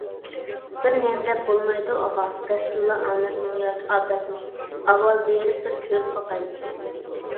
بىرنېمىدەپ بولمايدۇ، ئاغا، راستتىنلا ئامەتمۇ ياكى ئاپەتمۇ، ئاۋۋال بېرىپ بىر كۆرۈپ باقايلى.